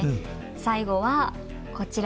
最後はこちら。